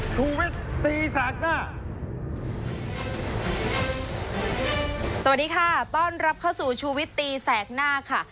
สวัสดีค่ะต้อนรับเข้าสู่ชูวิตตีแสกหน้าค่ะ